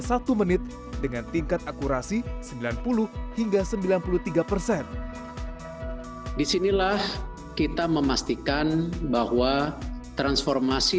satu menit dengan tingkat akurasi sembilan puluh hingga sembilan puluh tiga persen disinilah kita memastikan bahwa transformasi